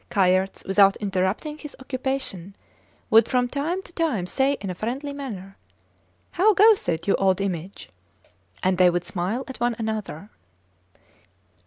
Kayerts, without interrupting his occupation, would from time to time say in a friendly manner: How goes it, you old image? and they would smile at one another.